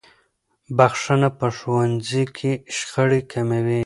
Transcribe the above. بخښنه په ښوونځي کې شخړې کموي.